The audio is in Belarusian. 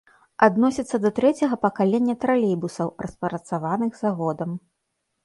Адносіцца да трэцяга пакалення тралейбусаў, распрацаваных заводам.